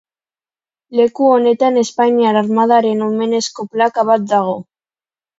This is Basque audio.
Leku honetan Espainiar Armadaren omenezko plaka bat dago.